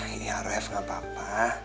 hah ya ref gak apa apa